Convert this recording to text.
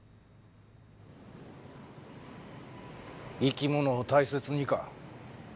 「生き物を大切に」か。